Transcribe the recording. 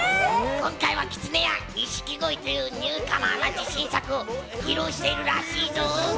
今回は、きつねや錦鯉というニューカマーが自信作を披露しているらしいぞ！